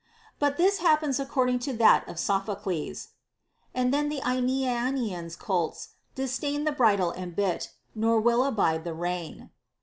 But this happens according to that of Sophocles, And then the Aenianian's colts disdain Bridle and bit, nor will abide the rein.